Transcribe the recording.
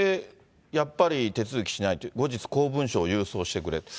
やっぱり手続きしないと、後日、公文書を郵送してくれと。